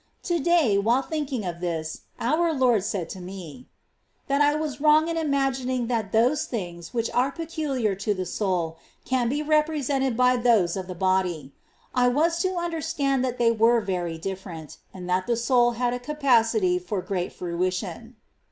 To day, while thinking of this, our Lord said to me " that I was wrong in imagining that those things which are peculiar to the soul can be represented by those of the body ; I was to understand that they were very different, and that the soul had a capacity for great fruition."